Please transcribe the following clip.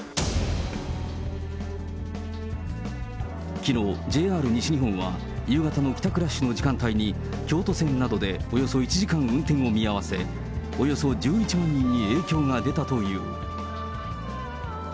きのう、ＪＲ西日本は夕方の帰宅ラッシュの時間帯に京都線などでおよそ１時間運転を見合わせ、およそ１１万人に影響が出たという。